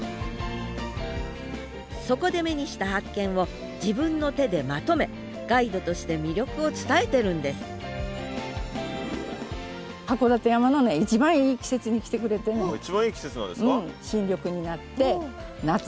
そこで目にした発見を自分の手でまとめガイドとして魅力を伝えてるんですいちばんいい季節なんですか？